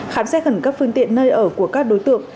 khám xét khẩn cấp phương tiện nơi ở của các đối tượng